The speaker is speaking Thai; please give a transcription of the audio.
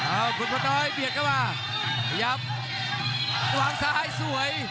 เอาขุนพลน้อยเบียดเข้ามาพยายามวางซ้ายสวย